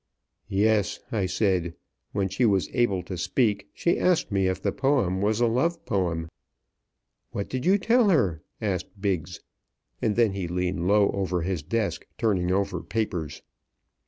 "Yes," I said; "when she was able to speak, she asked me if the poem was a love poem." "What did you tell her?" asked Biggs, and he leaned low over his desk, turning over papers.